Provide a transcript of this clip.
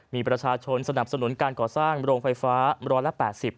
มีประชาชนสนับสนุนการก่อสร้างโรงไฟฟ้าร้อยละ๘๐